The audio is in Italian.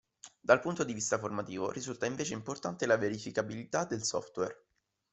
Dal punto di vista formativo risulta invece importante la verificabilità del software.